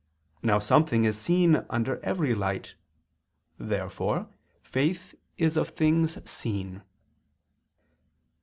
Now something is seen under every light. Therefore faith is of things seen.